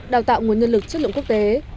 đào tạo nguồn nhân lực chất lượng quốc tế